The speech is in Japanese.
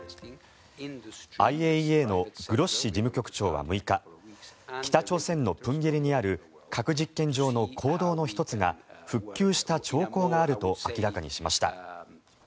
ＩＡＥＡのグロッシ事務局長は６日北朝鮮の豊渓里にある核実験場の坑道の１つが復旧した兆候があると明らかにしました。